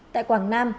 tại quảng nam